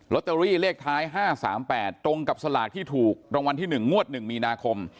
ตอรี่เลขท้าย๕๓๘ตรงกับสลากที่ถูกรางวัลที่๑งวด๑มีนาคม